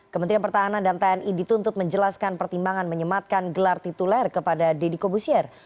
kementerian pertahanan dan tni dituntut menjelaskan pertimbangan menyematkan gelar tituler kepada deddy kobusier